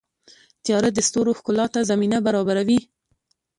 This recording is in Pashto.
• تیاره د ستورو ښکلا ته زمینه برابروي.